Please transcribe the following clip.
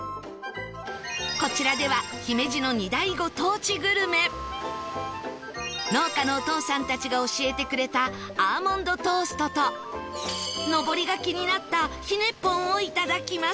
こちらでは農家のお父さんたちが教えてくれたアーモンドトーストとのぼりが気になったひねぽんをいただきます